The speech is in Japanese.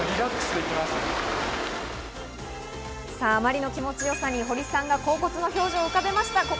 あまりの気持ちよさに堀さんが恍惚の表情を浮かべました。